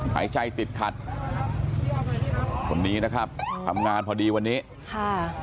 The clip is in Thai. หายใจติดขัดคนนี้นะครับทำงานพอดีวันนี้ค่ะ